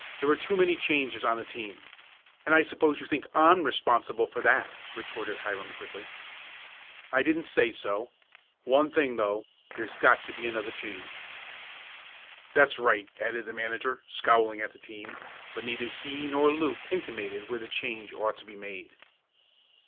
"There were too many changes on the team." "And I suppose you think I'm responsible for that," retorted Hiram quickly. "I didn't say so. One thing, though; there's got to be another change." "That's right," added the manager scowling at the team, but neither he nor Luke intimated where the change ought to be made.